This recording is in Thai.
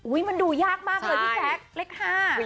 อุ้ยมันดูยากมากเลยพี่แชคเลข๕